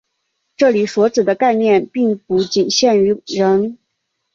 这里所指的概念并不仅限于人。